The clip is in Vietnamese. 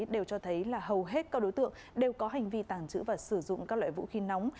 đều cho thấy là hầu hết các đối tượng đều có hành vi tàng trữ và sử dụng các loại vũ khí nóng